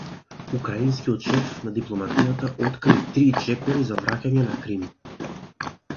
Украинскиот шеф на дипломатијата откри три чекори за враќање на Крим